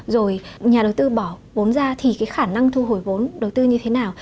rồi nhà đầu tư bỏ vốn ra thì cái khả năng thu hồi vốn đầu tư như thế nào